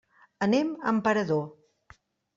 Anem a Emperador.